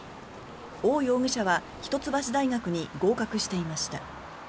オウ容疑者は一橋大学に合格していました。